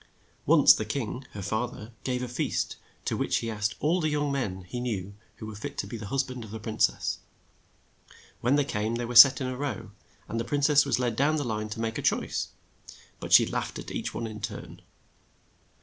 Once the king, her father, gave a feast to which he asked all the young men he knew who were fit to be the hus band of a prin cess. When they came they were set in a row, and the prin cess was led down the line, to make a choice ; but she laughed at each one in turn.